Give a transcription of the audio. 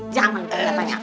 jangan kita tanya